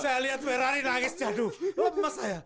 saya lihat ferrari nangis jaduh emas saya